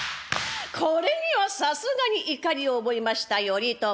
これにはさすがに怒りを覚えました頼朝。